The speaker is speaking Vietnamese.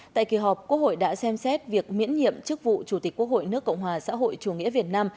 tại kỳ họp quốc hội đã xem xét việc miễn nhiệm chức vụ chủ tịch quốc hội nước cộng hòa xã hội chủ nghĩa việt nam